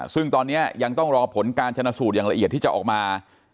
ซึ่งตอนนี้ยังต้องรอผลการชนะสูตรอย่างละเอียดที่จะออกมา